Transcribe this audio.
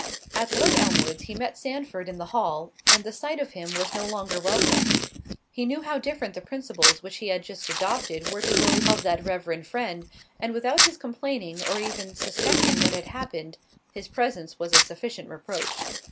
At Lord Elmwood's, he met Sandford in the hall, and the sight of him was no longer welcome—he knew how different the principles which he had just adopted were to those of that reverend friend, and without his complaining, or even suspecting what had happened, his presence was a sufficient reproach.